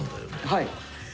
はい。